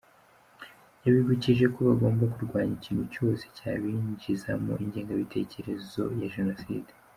Yabibukije ko bagomba kurwanya ikintu cyose cyabinjizamo ingangabitekerezo ya Jenoside.